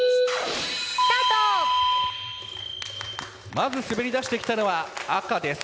まず滑り出してきたのは赤です。